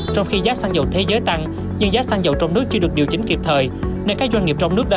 trong khi giá xăng dầu thế giới tăng